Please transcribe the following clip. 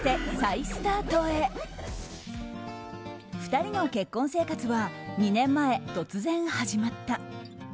２人の結婚生活は２年前、突然始まった。